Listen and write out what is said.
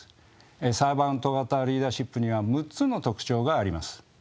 サーバント型リーダーシップには６つの特徴があります。